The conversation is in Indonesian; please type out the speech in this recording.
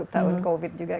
tahun covid juga